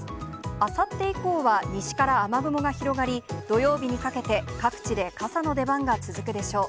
あさって以降は、西から雨雲が広がり、土曜日にかけて、各地で傘の出番が続くでしょう。